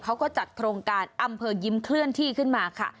เขาก็จัดโครงการอำเภอยิ้มเคลื่อนที่ขึ้นมาค่ะ